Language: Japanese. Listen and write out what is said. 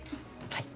はい。